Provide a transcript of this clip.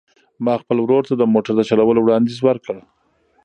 ما خپل ورور ته د موټر د چلولو وړاندیز وکړ.